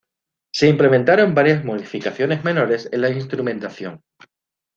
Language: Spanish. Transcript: Se implementaron varias modificaciones menores en la instrumentación.